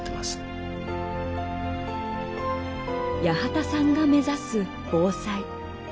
八幡さんが目指す防災。